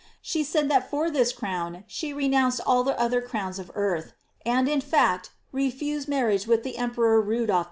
She said that for this crown she renounced all the other crowns of earth; and, in fact, refused marriage with the Emperor Rodolph II.